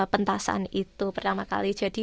pentasan itu pertama kali